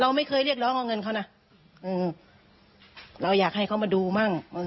ไม่เคยเรียกร้องเอาเงินเขานะอืมเราอยากให้เขามาดูมั่ง